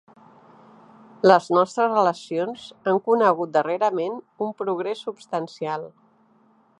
Les nostres relacions han conegut darrerament un progrés substancial.